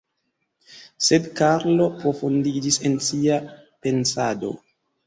Sed Karlo profundiĝis en sia pensado.